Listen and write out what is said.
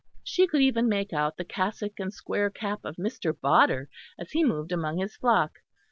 She could even make out the cassock and square cap of Mr. Bodder as he moved among his flock.